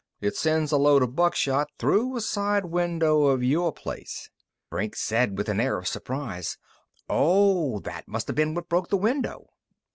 It sends a load of buckshot through a side window of your place." Brink said with an air of surprise: "Oh! That must have been what broke the window!"